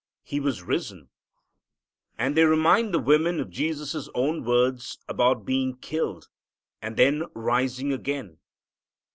He was risen. And they remind the women of Jesus' own words about being killed and then rising again.